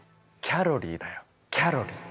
キャロリーだよキャロリー！